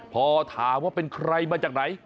พอถามว่าเป็นใครมาจากไหน